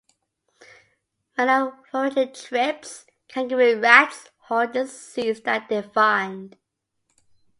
When on foraging trips, kangaroo rats hoard the seeds that they find.